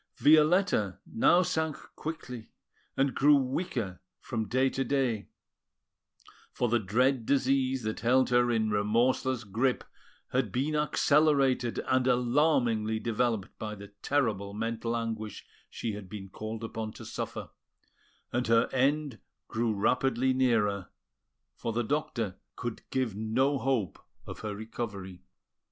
Violetta now sank quickly, and grew weaker from day to day; for the dread disease that held her in remorseless grip had been accelerated and alarmingly developed by the terrible mental anguish she had been called upon to suffer, and her end grew rapidly nearer, for the doctor could give no hope of her recovery.